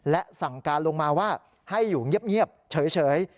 และสั่งการลงมาว่าให้อยู่เงียบเฉย